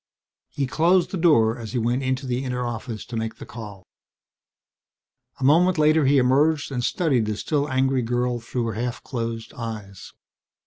He closed the door as he went into the inner office to make the call. A moment later he emerged and studied the still angry girl through half closed eyes.